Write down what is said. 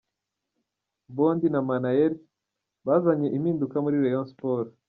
Mbondi na Minnaert bazanye impinduka muri Rayon Sports.